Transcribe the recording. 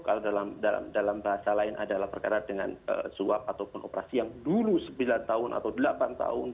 kalau dalam bahasa lain adalah perkara dengan suap ataupun operasi yang dulu sembilan tahun atau delapan tahun